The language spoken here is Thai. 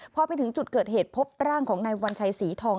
พอไปถึงจุดเกิดเหตุพบร่างของนายวัญชัยศรีทอง